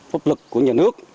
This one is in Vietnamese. pháp luật của nhà nước